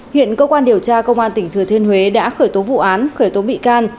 hiện cơ quan điều tra công an tỉnh thừa thiên huế đã khởi tố vụ án khởi tố bị can